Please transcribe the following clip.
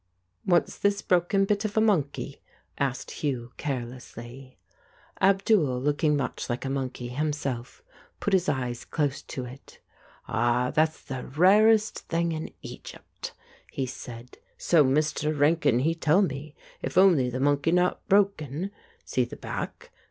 " What's this broken bit of a monkey ?" asked Hugh carelessly. Abdul, looking much like a monkey himself, put his eyes close to it. "Ah, that's the rarest thing in Egypt," he said, "so Mr. Rankin he tell me, if only the monkey not broken. See the back?